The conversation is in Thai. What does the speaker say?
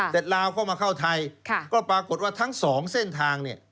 ลาวเข้ามาเข้าไทยก็ปรากฏว่าทั้งสองเส้นทางเนี่ย